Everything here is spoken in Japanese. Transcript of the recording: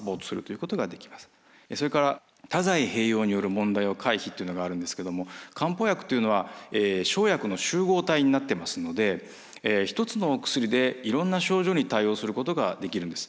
それから多剤併用による問題を回避というのがあるんですけども漢方薬というのは生薬の集合体になってますので一つのお薬でいろんな症状に対応することができるんです。